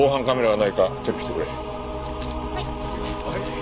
はい。